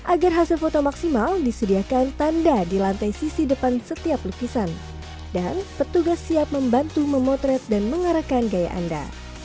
agar hasil foto maksimal disediakan tanda di lantai sisi depan setiap lukisan dan petugas siap membantu memotret dan mengarahkan gaya anda